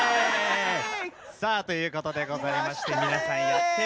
さあということでございまして皆さんやってまいりました。